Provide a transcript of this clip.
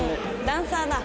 ダンサーだ。